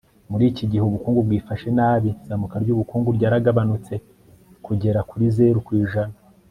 muri iki gihe ubukungu bwifashe nabi, izamuka ry'ubukungu ryaragabanutse kugera kuri zeru ku ijana